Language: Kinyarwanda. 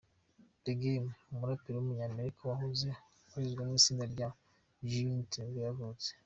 The Game, umuraperi w’umunyamerika wahoze abarizwa mu itsinda rya G-Unit nibwo yavutse.